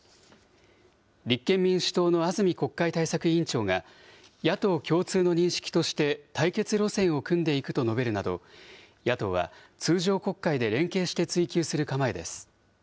立憲民主党の安住国会対策委員長が、野党共通の認識として、対決路線を組んでいくと述べるなど、野党は通常国会で連携して追及する構えです。